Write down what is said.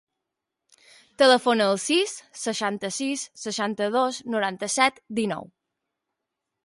Telefona al sis, seixanta-sis, seixanta-dos, noranta-set, dinou.